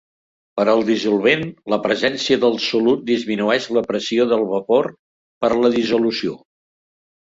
Per al dissolvent, la presència del solut disminueix la pressió de vapor per la dissolució.